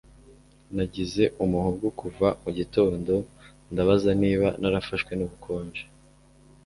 Nagize umuhogo kuva mu gitondo Ndabaza niba narafashwe nubukonje